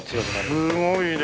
すごいね。